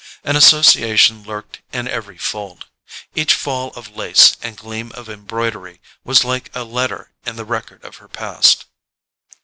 An association lurked in every fold: each fall of lace and gleam of embroidery was like a letter in the record of her past.